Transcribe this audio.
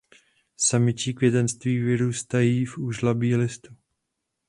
Samičí květenství vyrůstají z úžlabí listu.